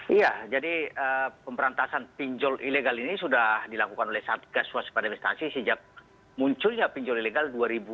iya jadi pemberantasan pinjol ilegal ini sudah dilakukan oleh satgas waspada investasi sejak munculnya pinjol ilegal dua ribu dua puluh